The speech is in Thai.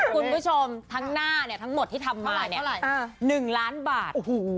คุณผู้ชมทั้งหน้าทั้งหมดที่ทำมา๑ล้านบาท